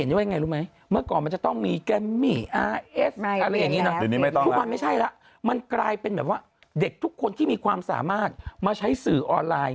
เด็กทุกคนที่มีความสามารถมาใช้สื่อออนไลน์